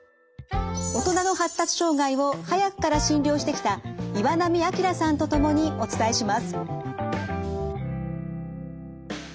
大人の発達障害を早くから診療してきた岩波明さんと共にお伝えします。